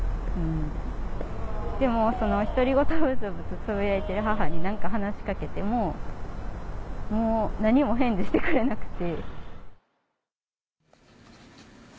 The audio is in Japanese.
でも独り言をブツブツつぶやいてる母に何か話し掛けてももう何も返事してくれなくて。